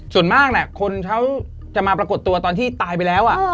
ส่วนมากคนเขาจะมาปรากฏตัวตอนที่ตายไปแล้ว